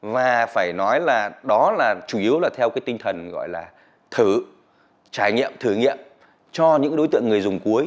và phải nói là đó là chủ yếu là theo cái tinh thần gọi là thử trải nghiệm thử nghiệm cho những đối tượng người dùng cuối